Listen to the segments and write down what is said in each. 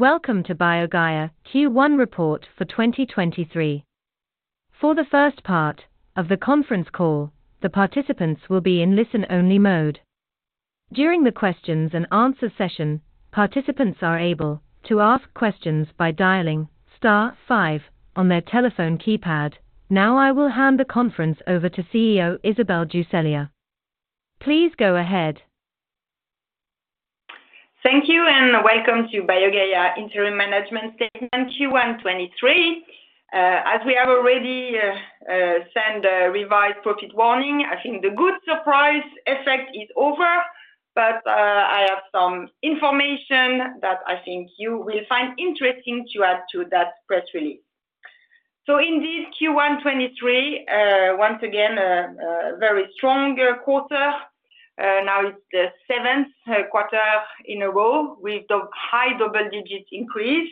Welcome to BioGaia Q1 Report for 2023. For the first part of the conference call, the participants will be in listen-only mode. During the question-and-answer session, participants are able to ask questions by dialing star five on their telephone keypad. I will hand the conference over to CEO Isabelle Ducellier. Please go ahead. Thank you, welcome to BioGaia Interim Management Statement Q1 2023. As we have already sent a revised profit warning, I think the good surprise effect is over. I have some information that I think you will find interesting to add to that press release. In this Q1 2023, once again a very stronger quarter. Now it's the seventh quarter in a row with the high double digits increase.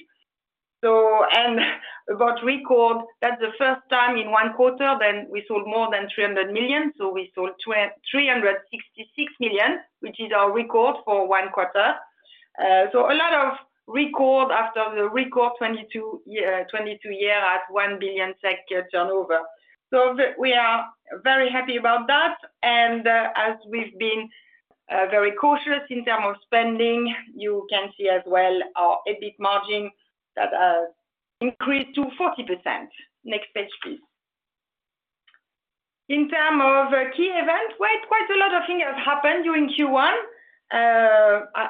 About record, that's the first time in one quarter that we sold more than 300 million. We sold 366 million, which is our record for one quarter. A lot of record after the record 2022 year at 1 billion SEK turnover. We are very happy about that. As we've been very cautious in term of spending, you can see as well our EBIT margin that increased to 40%. Next page, please. In term of key event, quite a lot of things have happened during Q1.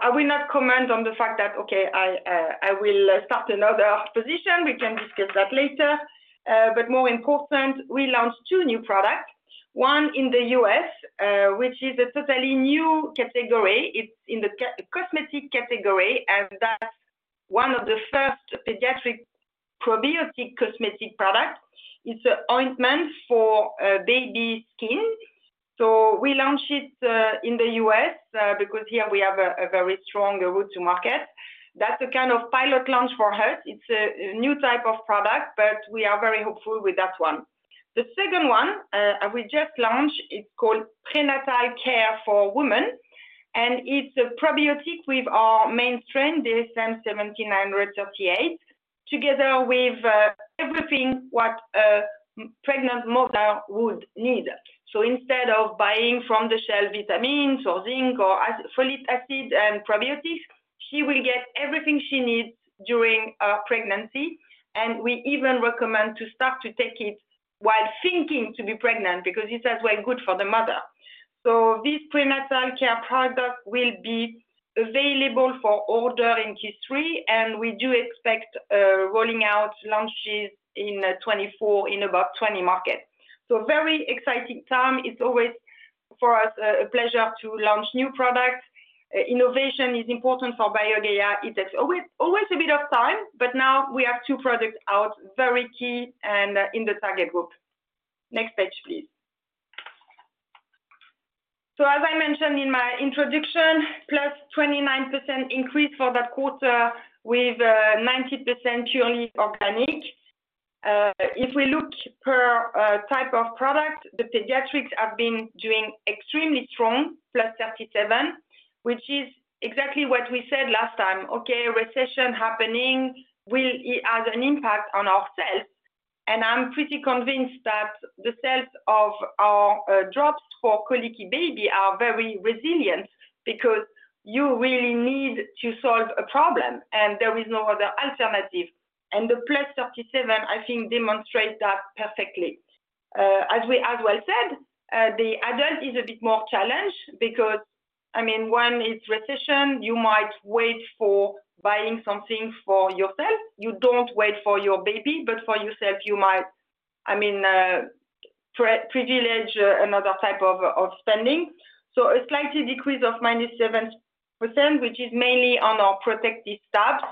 I will not comment on the fact that, okay, I will start another position. We can discuss that later. More important, we launched two new products. One in the U.S., which is a totally new category. It's in the cosmetic category, and that's one of the first pediatric probiotic cosmetic products. It's a ointment for baby skin. We launched it in the U.S. because here we have a very strong route to market. That's a kind of pilot launch for us. It's a new type of product, but we are very hopeful with that one. The second one, we just launched, it's called Prenatal Care for Women, and it's a probiotic with our main strain, DSM 17938, together with everything what a pregnant mother would need. Instead of buying from the shelf vitamins or zinc or folic acid and probiotics, she will get everything she needs during a pregnancy. We even recommend to start to take it while thinking to be pregnant because it's as well good for the mother. This Prenatal Care product will be available for order in Q3, and we do expect rolling out launches in 2024 in about 20 markets. Very exciting time. It's always for us a pleasure to launch new products. Innovation is important for BioGaia. It takes always a bit of time, but now we have two products out, very key and in the target group. Next page, please. As I mentioned in my introduction, +29% increase for the quarter with 90% purely organic. If we look per type of product, the pediatrics have been doing extremely strong, plus 37%, which is exactly what we said last time. Okay, recession happening, it has an impact on our sales, and I'm pretty convinced that the sales of our drops for colicky baby are very resilient because you really need to solve a problem and there is no other alternative. The +37%, I think, demonstrates that perfectly. As we as well said, the adult is a bit more challenged because, I mean, one is recession. You might wait for buying something for yourself. You don't wait for your baby, but for yourself you might, I mean, pre-privilege another type of spending. A slightly decrease of -7%, which is mainly on our Protectis tabs.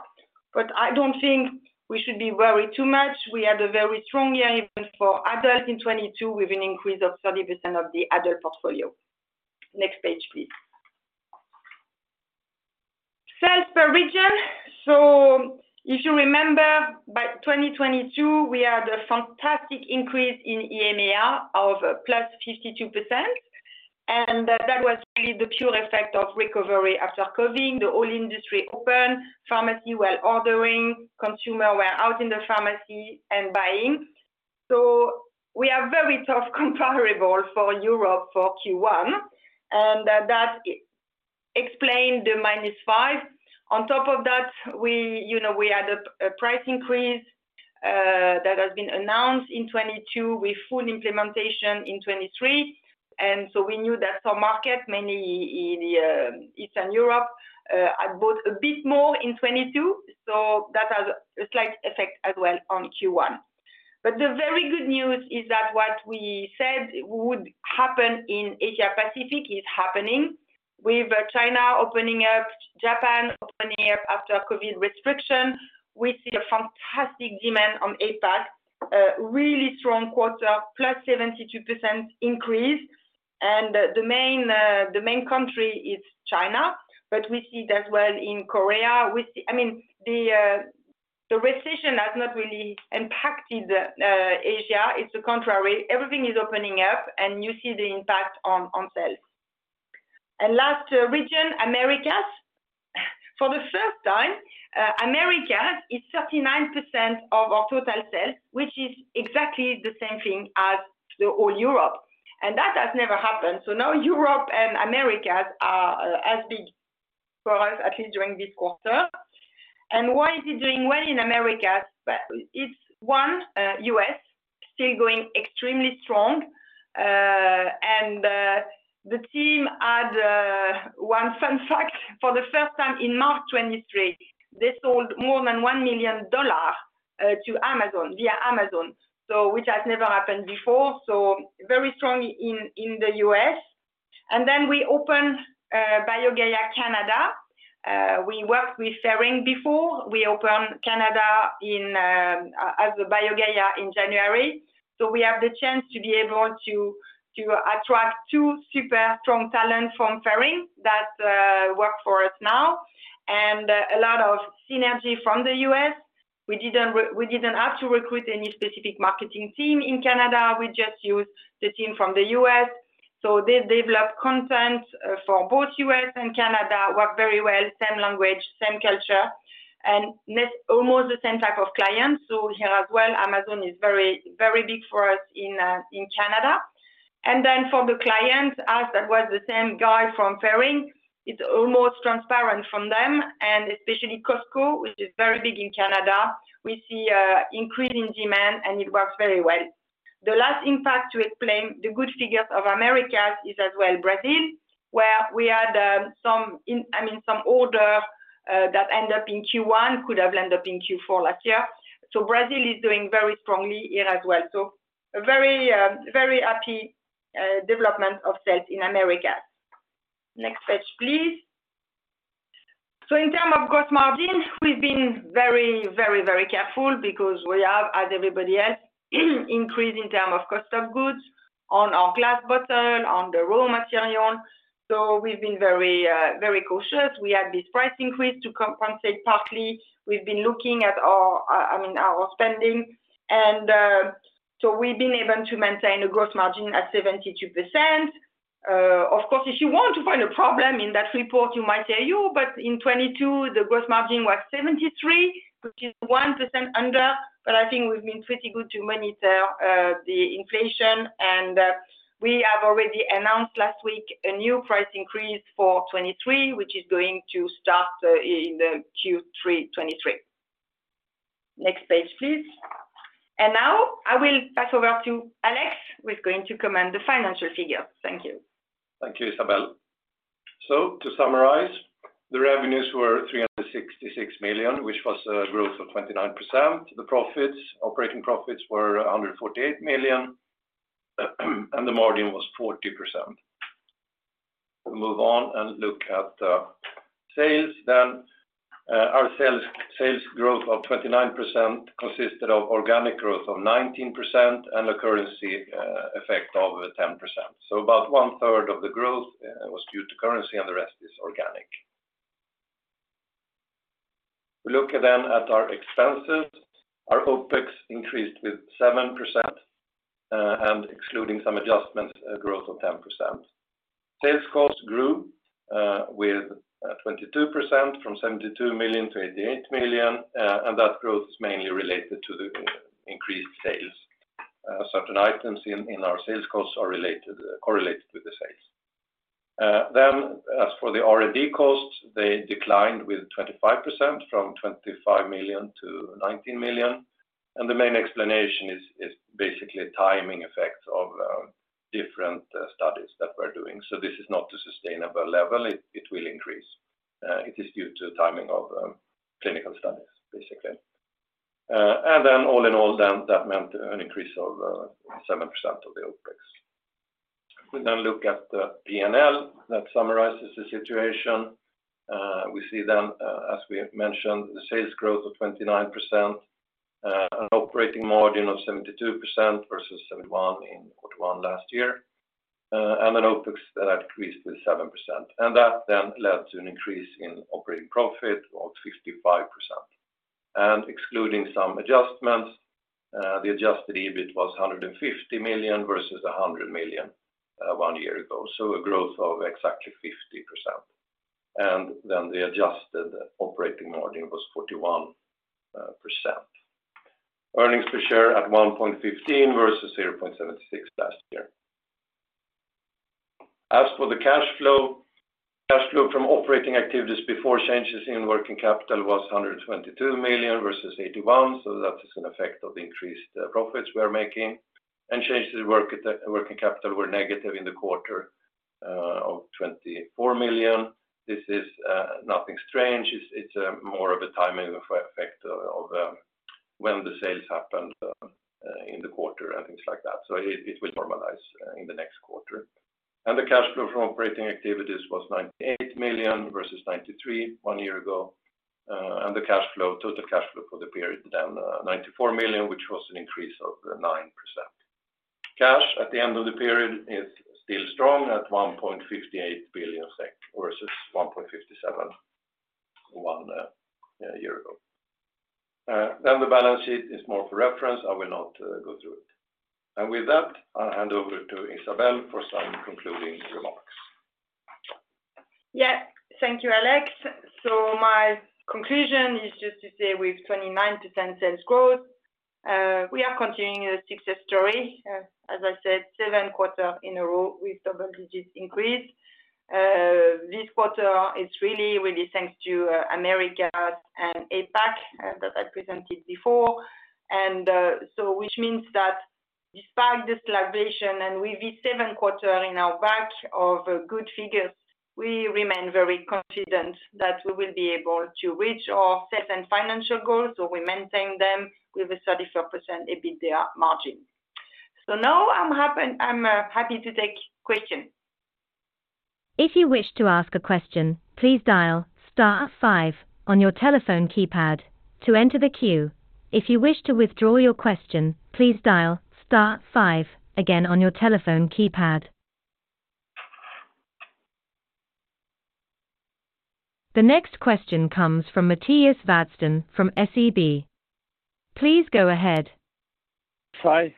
I don't think we should be worried too much. We had a very strong year even for adults in 2022 with an increase of 30% of the Adult portfolio. Next page, please. Sales per region. If you remember, by 2022 we had a fantastic increase in EMEA of a +52%. That was really the pure effect of recovery after COVID. The whole industry opened, pharmacy were ordering, consumer were out in the pharmacy and buying. We have very tough comparable for Europe for Q1, and that explain the -5%. On top of that, we, you know, we had a price increase that has been announced in 2022 with full implementation in 2023. We knew that some market, mainly in the Eastern Europe, had bought a bit more in 2022, so that has a slight effect as well on Q1. The very good news is that what we said would happen in Asia Pacific is happening. With China opening up, Japan opening up after COVID restriction, we see a fantastic demand on APAC, a really strong quarter, +72% increase. The main country is China, but we see it as well in Korea. I mean, the recession has not really impacted Asia. It's the contrary. Everything is opening up and you see the impact on sales. Last region, Americas. For the first time, Americas is 39% of our total sales, which is exactly the same thing as the whole Europe. That has never happened. Now Europe and Americas are, as big for us, at least during this quarter. Why is it doing well in Americas? Well, it's one, U.S. still going extremely strong. The team had one fun fact. For the first time in March 2023, they sold more than $1 million to Amazon, via Amazon, so which has never happened before, so very strong in the U.S. We opened BioGaia Canada. We worked with Ferring before. We opened Canada in, as BioGaia in January. We have the chance to be able to attract two super strong talent from Ferring that work for us now, and a lot of synergy from the U.S. We didn't have to recruit any specific marketing team in Canada. We just used the team from the U.S. They developed content for both U.S. and Canada. Worked very well, same language, same culture, and almost the same type of clients. Here as well, Amazon is very, very big for us in Canada. For the clients, as that was the same guy from Ferring, it's almost transparent from them, and especially Costco, which is very big in Canada. We see a increase in demand, and it works very well. The last impact to explain the good figures of Americas is as well Brazil, where we had some in, I mean, some order that end up in Q1 could have end up in Q4 last year. Brazil is doing very strongly here as well. A very, very happy development of sales in Americas. Next page, please. In term of gross margin, we've been very, very, very careful because we have, as everybody else, increase in term of cost of goods on our glass bottle, on the raw material. We've been very, very cautious. We had this price increase to compensate partly. We've been looking at our, I mean, our spending, and we've been able to maintain a gross margin at 72%. Of course, if you want to find a problem in that report, you might say, "You, but in 2022, the gross margin was 73%, which is 1% under." I think we've been pretty good to monitor the inflation. We have already announced last week a new price increase for 2023, which is going to start in the Q3 2023. Next page, please. Now, I will pass over to Alex, who's going to comment the financial figure. Thank you. Thank you, Isabelle. To summarize, the revenues were 366 million, which was a growth of 29%. The profits, operating profits were 148 million, and the margin was 40%. We move on and look at sales then. Our sales growth of 29% consisted of organic growth of 19% and a currency effect of 10%. About 1/3 of the growth was due to currency, and the rest is organic. We look then at our expenses. Our OpEx increased with 7%, and excluding some adjustments, a growth of 10%. Sales costs grew with 22% from 72 million-88 million, and that growth is mainly related to the increased sales. Certain items in our sales costs are correlated with the sales. As for the R&D costs, they declined with 25% from 25 million-19 million, the main explanation is basically timing effects of different studies that we're doing. This is not the sustainable level. It will increase. It is due to timing of clinical studies, basically. All in all, that meant an increase of 7% of the OpEx. We now look at the P&L. That summarizes the situation. We see, as we mentioned, the sales growth of 29%, an operating margin of 72% versus 71% in Q1 last year, an OpEx that increased with 7%. That led to an increase in operating profit of 55%. Excluding some adjustments, the adjusted EBIT was 150 million versus 100 million one year ago, so a growth of exactly 50%. The adjusted operating margin was 41%. Earnings per share at 1.15 versus 0.76 last year. As for the cash flow, cash flow from operating activities before changes in working capital was 122 million versus 81 million, so that is an effect of the increased profits we are making. Changes in working capital were negative in the quarter, of 24 million. This is nothing strange. It's more of a timing effect of when the sales happened in the quarter and things like that. It will normalize in the next quarter. The cash flow from operating activities was 98 million versus 93 million one year ago. The cash flow, total cash flow for the period down, 94 million, which was an increase of 9%. Cash at the end of the period is still strong at 1.58 billion SEK versus 1.57 billion one year ago. The balance sheet is more for reference. I will not go through it. With that, I'll hand over to Isabelle for some concluding remarks. Yeah. Thank you, Alex. My conclusion is just to say with 29% sales growth, we are continuing a success story. As I said, seven quarters in a row with double digits increase. This quarter is really, really thanks to Americas and APAC that I presented before. Which means that despite the sluggish and with this seven quarter in our back of good figures, we remain very confident that we will be able to reach our set and financial goals, so we maintain them with a 34% EBITDA margin. Now I'm happy to take questions. If you wish to ask a question, please dial star five on your telephone keypad to enter the queue. If you wish to withdraw your question, please dial star five again on your telephone keypad. The next question comes from Mattias Vadsten from SEB. Please go ahead. Hi.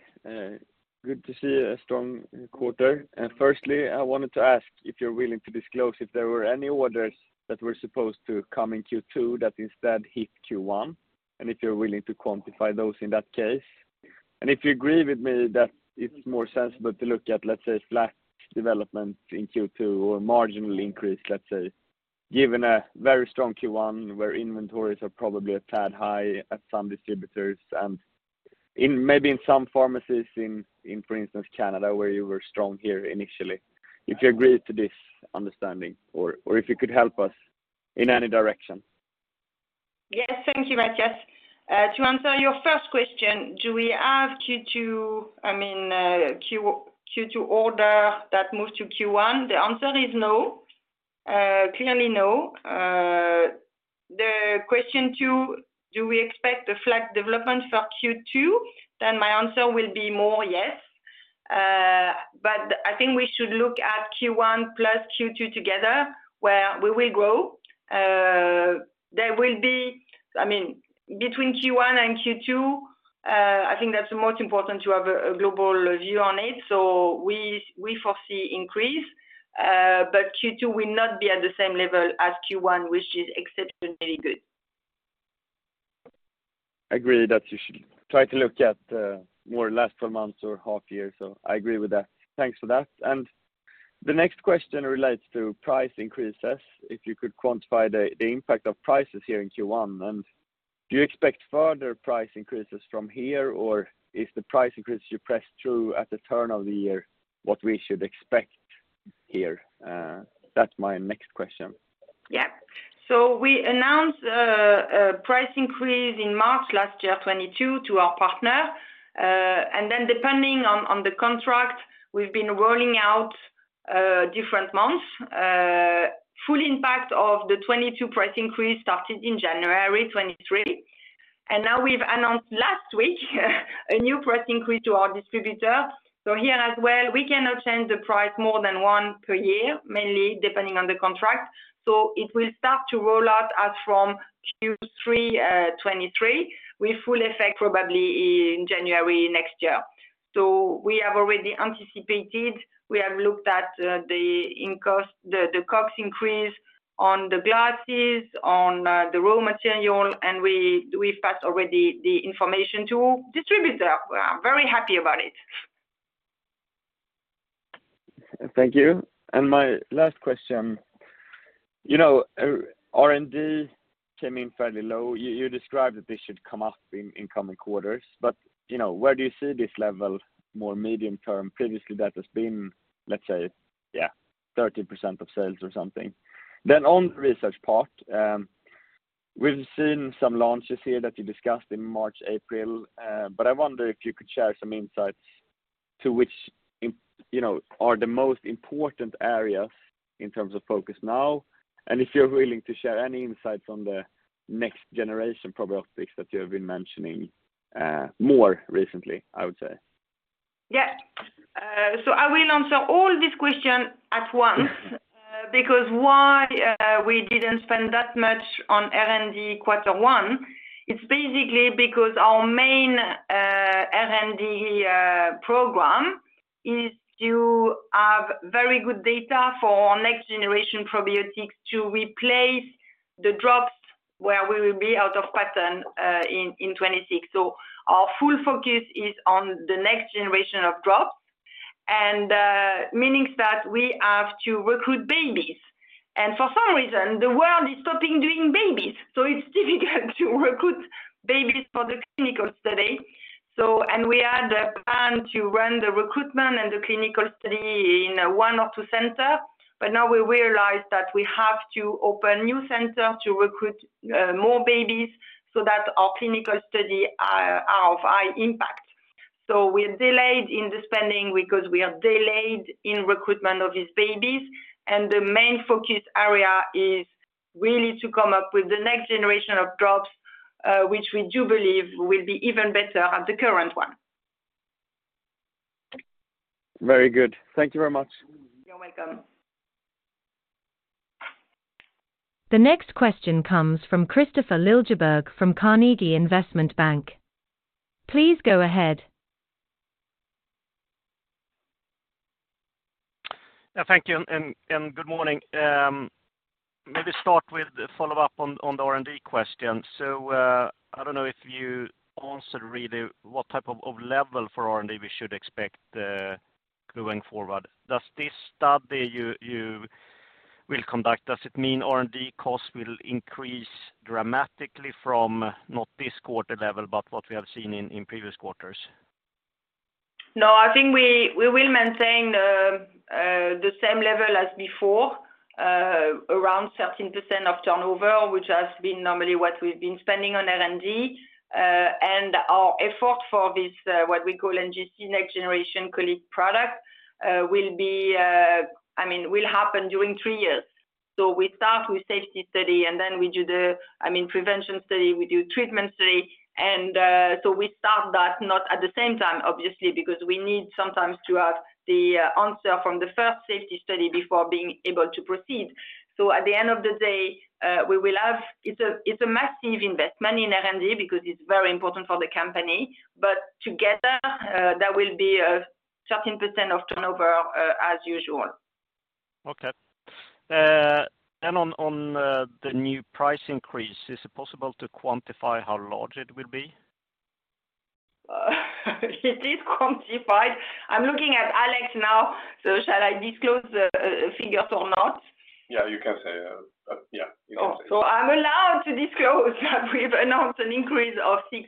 Good to see a strong quarter. Firstly, I wanted to ask if you're willing to disclose if there were any orders that were supposed to come in Q2 that instead hit Q1, and if you're willing to quantify those in that case. If you agree with me that it's more sensible to look at, let's say, flat development in Q2 or marginal increase, let's say, given a very strong Q1 where inventories are probably a tad high at some distributors and maybe in some pharmacies in, for instance, Canada, where you were strong here initially. If you agree to this understanding or if you could help us in any direction? Yes, thank you, Mattias. To answer your first question, do we have Q2 order that moved to Q1? The answer is no, clearly no. The question two, do we expect a flat development for Q2? My answer will be more yes. I think we should look at Q1 plus Q2 together where we will grow. Between Q1 and Q2, I think that's the most important to have a global view on it. We foresee increase, Q2 will not be at the same level as Q1, which is exceptionally good. Agree that you should try to look at, more last [12 months] or half year. I agree with that. Thanks for that. The next question relates to price increases, if you could quantify the impact of prices here in Q1. Do you expect further price increases from here, or if the price increase you pressed through at the turn of the year, what we should expect here? That's my next question. We announced a price increase in March last year, 2022, to our partner. Depending on the contract, we've been rolling out different months. Full impact of the 2022 price increase started in January 2023. Now we've announced last week a new price increase to our distributor. Here as well, we cannot change the price more than once per year, mainly depending on the contract. It will start to roll out as from Q3 2023, with full effect probably in January next year. We have already anticipated. We have looked at the input cost, the COGS increase on the glasses, on the raw material, and we passed already the information to distributor. We are very happy about it. Thank you. My last question, you know, R&D came in fairly low. You, you described that this should come up in coming quarters. You know, where do you see this level more medium term? Previously, that has been, let's say, yeah, 30% of sales or something. On the research part, we've seen some launches here that you discussed in March, April, but I wonder if you could share some insights to which you know, are the most important areas in terms of focus now, and if you're willing to share any insights on the next generation probiotics that you have been mentioning, more recently, I would say. Yeah. I will answer all these question at once. Because why we didn't spend that much on R&D Q1, it's basically because our main R&D program is to have very good data for next generation probiotics to replace the drops where we will be out of patent in 2026. Our full focus is on the next generation of drops and meaning that we have to recruit babies. For some reason, the world is stopping doing babies. It's difficult to recruit babies for the clinical study. We had a plan to run the recruitment and the clinical study in one or two centers, but now we realize that we have to open new center to recruit more babies so that our clinical study are of high impact. We're delayed in the spending because we are delayed in recruitment of these babies. The main focus area is really to come up with the next generation of drops, which we do believe will be even better than the current one. Very good. Thank you very much. You're welcome. The next question comes from Kristofer Liljeberg from Carnegie Investment Bank. Please go ahead. Yeah. Thank you and good morning. Maybe start with the follow-up on the R&D question. I don't know if you answered really what type of level for R&D we should expect going forward. Does this study you will conduct, does it mean R&D costs will increase dramatically from not this quarter level, but what we have seen in previous quarters? No, I think we will maintain the same level as before, around 13% of turnover, which has been normally what we've been spending on R&D. Our effort for this, what we call NGC, Next Generation Colic product, will be, I mean, will happen during three years. We start with safety study, we do, I mean, prevention study, we do treatment study, we start that not at the same time, obviously, because we need sometimes to have the answer from the first safety study before being able to proceed. At the end of the day, it's a massive investment in R&D because it's very important for the company. Together, that will be a 13% of turnover, as usual. Okay. On the new price increase, is it possible to quantify how large it will be? It is quantified. I'm looking at Alex now. Shall I disclose the figures or not? Yeah, you can say. Oh, I'm allowed to disclose. We've announced an increase of 6%.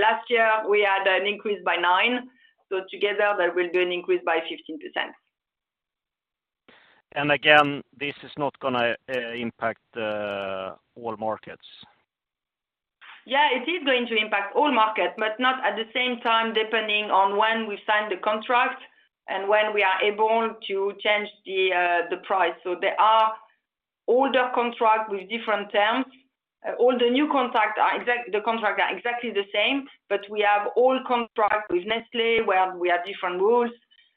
Last year we had an increase by 9%, so together there will be an increase by 15%. Again, this is not going to impact all markets. It is going to impact all markets, but not at the same time, depending on when we sign the contract and when we are able to change the price. There are older contracts with different terms. All the new contracts are exactly the same, but we have old contracts with Nestlé, where we have different rules.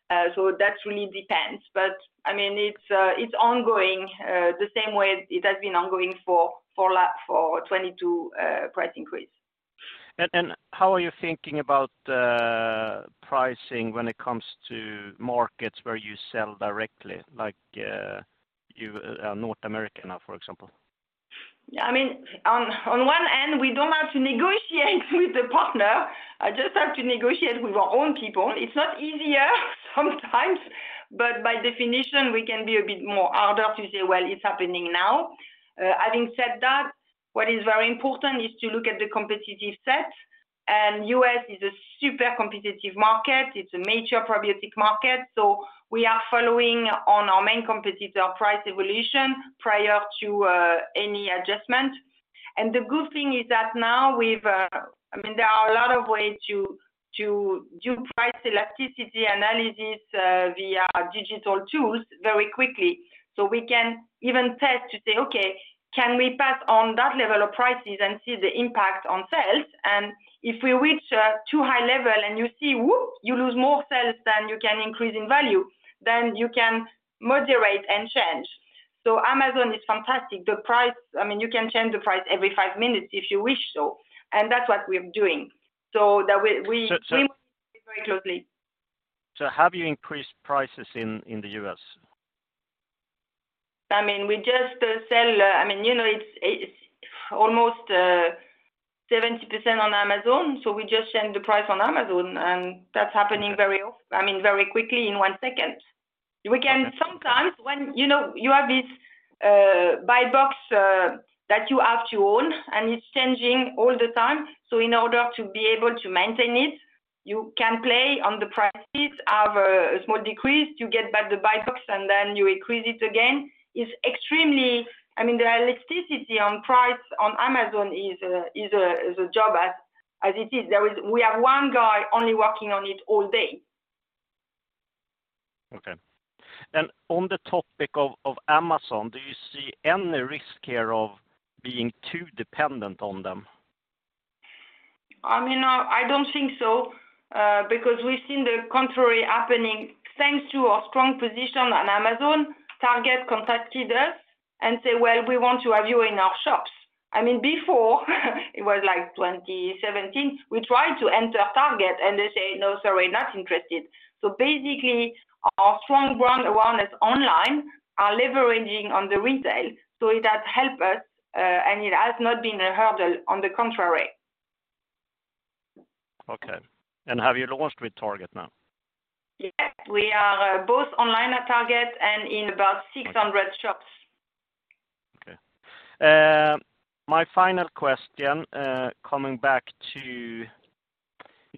That really depends. I mean, it's ongoing the same way it has been ongoing for 2022 price increase. How are you thinking about pricing when it comes to markets where you sell directly, like, you, North America now, for example? Yeah. I mean, on one end, we don't have to negotiate with the partner, I just have to negotiate with our own people. It's not easier sometimes, but by definition, we can be a bit more harder to say, "Well, it's happening now." Having said that, what is very important is to look at the competitive set. U.S. is a super competitive market. It's a major probiotic market, so we are following on our main competitor price evolution prior to any adjustment. The good thing is that now we've, I mean, there are a lot of ways to do price elasticity analysis via digital tools very quickly. We can even test to say, "Okay, can we pass on that level of prices and see the impact on sales?" If we reach a too high level and you see, whoop, you lose more sales than you can increase in value, then you can moderate and change. Amazon is fantastic. The price, I mean, you can change the price every five minutes if you wish so, and that's what we're doing. So, so- We work very closely. Have you increased prices in the U.S.? We just sell, you know, it's almost 70% on Amazon, we just change the price on Amazon, that's happening very quickly in one second. You know, you have this buy box that you have to own, it's changing all the time. In order to be able to maintain it, you can play on the prices, have a small decrease, you get back the buy box, you increase it again. The elasticity on price on Amazon is a job as it is. We have 1 guy only working on it all day. Okay. On the topic of Amazon, do you see any risk here of being too dependent on them? I mean, I don't think so, because we've seen the contrary happening. Thanks to our strong position on Amazon, Target contacted us and say, "Well, we want to have you in our shops." I mean, before, it was like 2017, we tried to enter Target and they say, "No, sorry, not interested." Basically, our strong brand awareness online are leveraging on the retail, so it has helped us, and it has not been a hurdle. On the contrary. Okay. Have you launched with Target now? Yes. We are both online at Target and in about 600 shops. Okay. my final question, coming back to,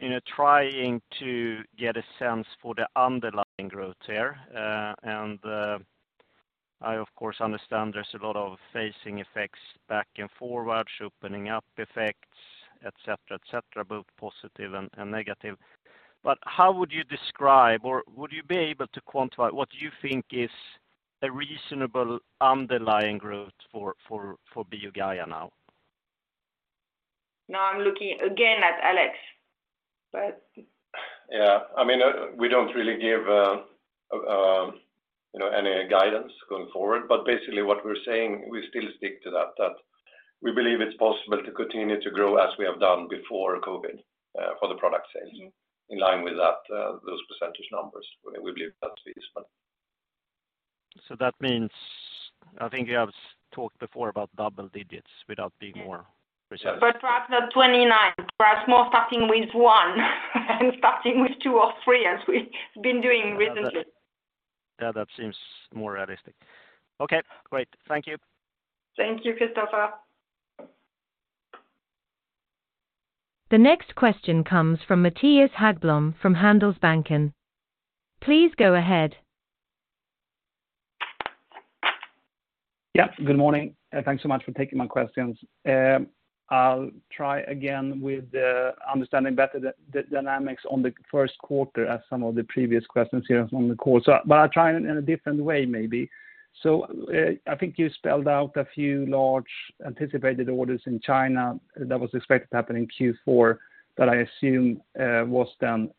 you know, trying to get a sense for the underlying growth here. I of course understand there's a lot of phasing effects back and forwards, opening up effects, et cetera, et cetera, both positive and negative. How would you describe, or would you be able to quantify what you think is a reasonable underlying growth for BioGaia now? Now I'm looking again at Alex. Yeah. I mean, we don't really give, you know, any guidance going forward, but basically what we're saying, we still stick to that we believe it's possible to continue to grow as we have done before COVID, for the product sales. Mm-hmm. In line with that, those percentage numbers, we believe that to be useful. That means, I think you have talked before about double digits without being more precise. Perhaps not 29. Perhaps more starting with one and starting with two or three as we've been doing recently. Yeah, that seems more realistic. Okay, great. Thank you. Thank you, Kristofer. The next question comes from Mattias Häggblom from Handelsbanken. Please go ahead. Good morning. Thanks so much for taking my questions. I'll try again with the understanding better the dynamics on the first quarter as some of the previous questions here on the call. I'll try in a different way maybe. I think you spelled out a few large anticipated orders in China that was expected to happen in Q4 that I assume was then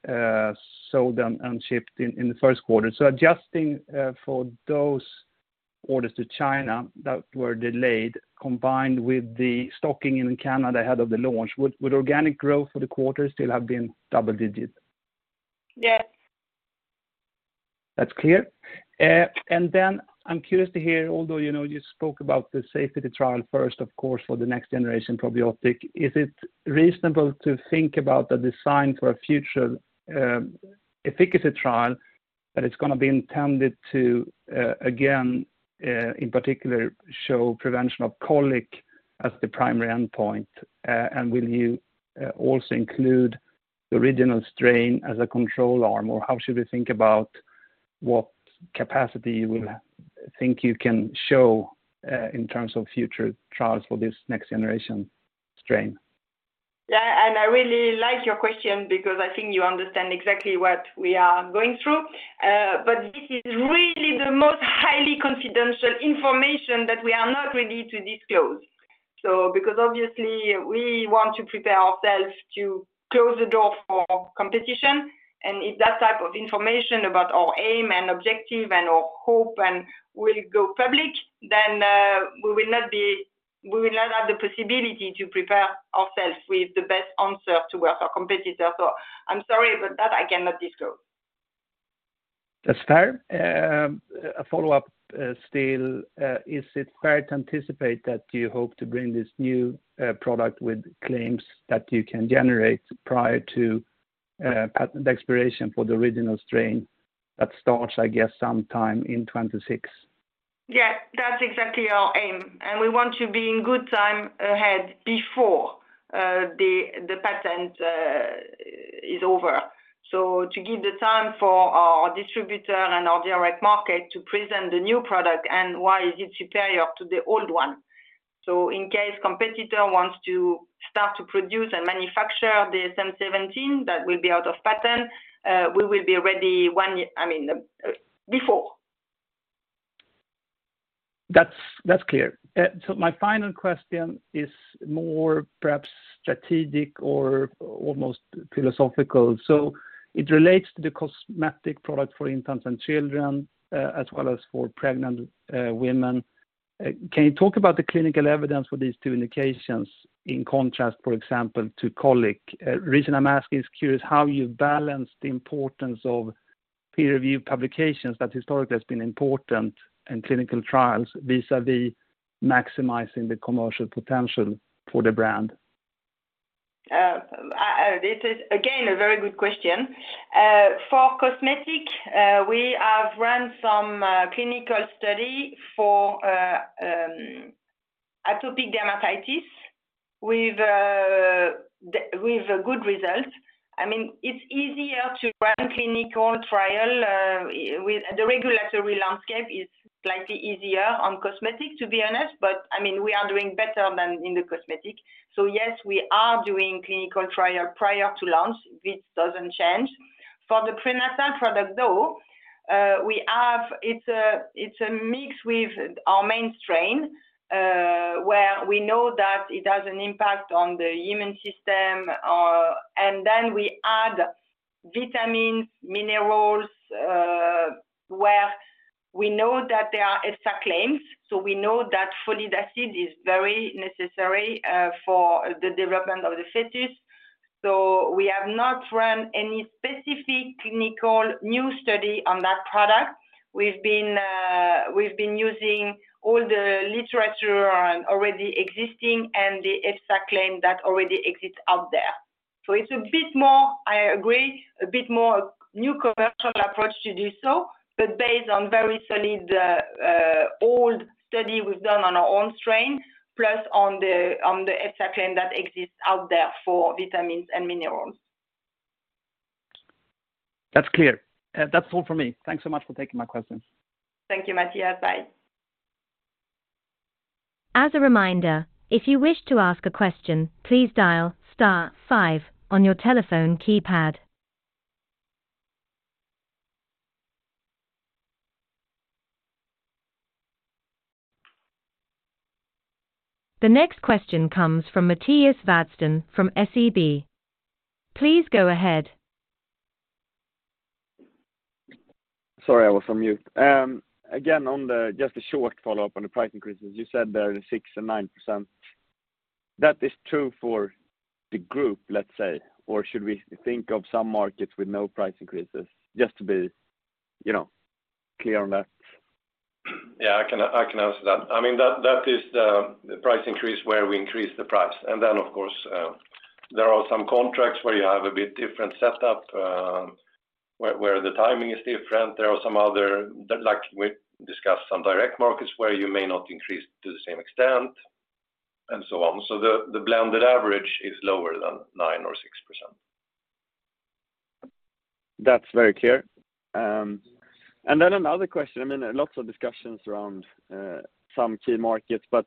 sold and shipped in the first quarter. Adjusting for those orders to China that were delayed, combined with the stocking in Canada ahead of the launch, would organic growth for the quarter still have been double digit? Yes. That's clear. I'm curious to hear, although, you know, you spoke about the safety trial first, of course, for the next generation probiotic, is it reasonable to think about the design for a future efficacy trial that it's gonna be intended to again in particular show prevention of colic as the primary endpoint? Will you also include the original strain as a control arm? Or how should we think about what capacity you will think you can show in terms of future trials for this next generation strain? Yeah, I really like your question because I think you understand exactly what we are going through. This is really the most highly confidential information that we are not ready to disclose. Because obviously we want to prepare ourselves to close the door for competition, if that type of information about our aim and objective and our hope will go public, we will not have the possibility to prepare ourselves with the best answer towards our competitor. I'm sorry, that I cannot disclose. That's fair. A follow-up, still. Is it fair to anticipate that you hope to bring this new product with claims that you can generate prior to the expiration for the original strain that starts, I guess, sometime in 2026? Yes. That's exactly our aim. We want to be in good time ahead before the patent is over. To give the time for our distributor and our direct market to present the new product and why is it superior to the old one. In case competitor wants to start to produce and manufacture the DSM 17938 that will be out of patent, we will be ready one year, I mean, before. That's, that's clear. My final question is more perhaps strategic or almost philosophical. It relates to the cosmetic product for infants and children, as well as for pregnant women. Can you talk about the clinical evidence for these two indications in contrast, for example, to colic? Reason I'm asking is curious how you balance the importance of peer review publications that historically has been important in clinical trials vis-à-vis maximizing the commercial potential for the brand. This is again, a very good question. For cosmetic, we have run some clinical study for atopic dermatitis with a good result. I mean, it's easier to run clinical trial. The regulatory landscape is slightly easier on cosmetic, to be honest. I mean, we are doing better than in the cosmetic. Yes, we are doing clinical trial prior to launch. This doesn't change. For the prenatal product, though, it's a mix with our main strain, where we know that it has an impact on the immune system. We add vitamins, minerals, where we know that there are extra claims. We know that folic acid is very necessary for the development of the fetus. We have not run any specific clinical new study on that product. We've been using all the literature on already existing and the EFSA claim that already exists out there. It's a bit more, I agree, a bit more new commercial approach to do so, but based on very solid, old study we've done on our own strain, plus on the EFSA claim that exists out there for vitamins and minerals. That's clear. That's all for me. Thanks so much for taking my questions. Thank you, Matthias. Bye. As a reminder, if you wish to ask a question, please dial star five on your telephone keypad. The next question comes from Mattias Vadsten from SEB. Please go ahead. Sorry, I was on mute. Just a short follow-up on the price increases. You said there is 6% and 9%. That is true for the group, let's say. Should we think of some markets with no price increases? Just to be, you know, clear on that. Yeah, I can answer that. I mean, that is the price increase where we increase the price. Then of course, there are some contracts where you have a bit different setup, where the timing is different, like we discussed some direct markets where you may not increase to the same extent and so on. The blended average is lower than 9% or 6%. That's very clear. Another question, I mean, lots of discussions around some key markets, but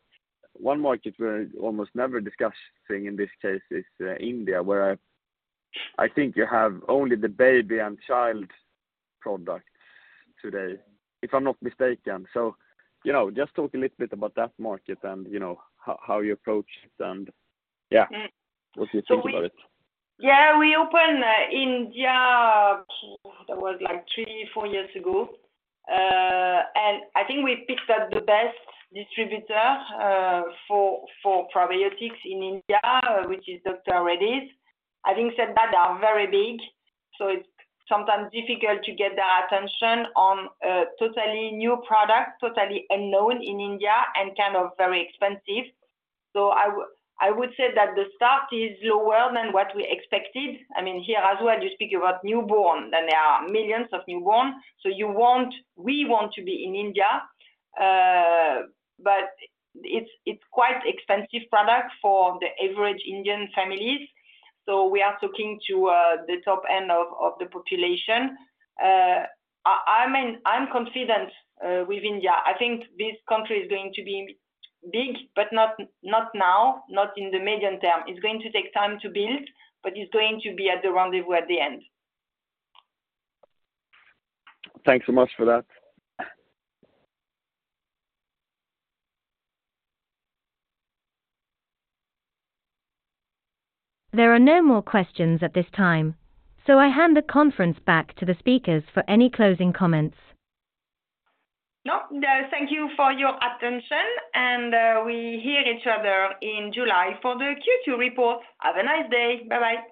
one market we're almost never discussing in this case is India, where I think you have only the baby and child products today, if I'm not mistaken. You know, just talk a little bit about that market and, you know, how you approach it and, yeah, what you think about it. Yeah, we opened India, that was like three, 4 years ago. I think we picked up the best distributor for probiotics in India, which is Dr. Reddy's. Having said that, they are very big, so it's sometimes difficult to get their attention on a totally new product, totally unknown in India and kind of very expensive. I would say that the start is lower than what we expected. I mean, here as well, you speak about newborn, and there are millions of newborn. We want to be in India, but it's quite expensive product for the average Indian families. We are talking to the top end of the population. I'm confident with India. I think this country is going to be big but not now, not in the medium term. It's going to take time to build, but it's going to be at the rendezvous at the end. Thanks so much for that. There are no more questions at this time, so I hand the conference back to the speakers for any closing comments. No. Thank you for your attention and, we hear each other in July for the Q2 report. Have a nice day. Bye-bye.